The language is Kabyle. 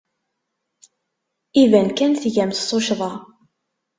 Iban kan tgamt tuccḍa.